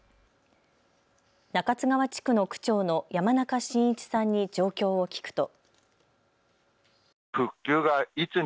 中津川地区の区長の山中新一さんに状況を聞くと。